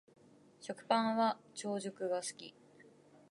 食パンは長熟が好き